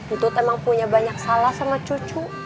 itu emang punya banyak salah sama cucu